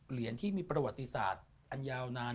เหรียญที่มีประวัติศาสตร์อันยาวนาน